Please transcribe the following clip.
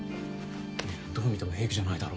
いやどう見ても平気じゃないだろ。